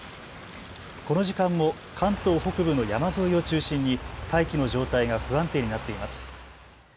この時間も関東北部の山沿いを中心に大気の状態が不安定になっています。